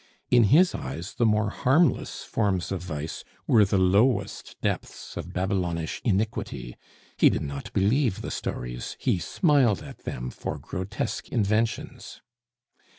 In his eyes the more harmless forms of vice were the lowest depths of Babylonish iniquity; he did not believe the stories, he smiled at them for grotesque inventions.